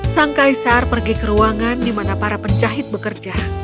sang kaisar pergi ke ruangan di mana para penjahit bekerja